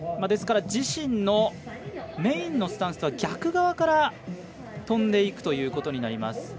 ですから、自身のメインのスタンスとは逆側から飛んでいくということになります。